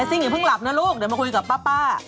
ซึ่งอย่าเพิ่งหลับนะลูกเดี๋ยวมาคุยกับป้า